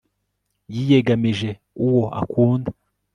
yiyegamije uwo akunda